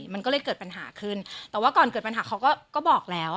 มันก็เลยเกิดปัญหาขึ้นแต่ว่าก่อนเกิดปัญหาเขาก็บอกแล้ว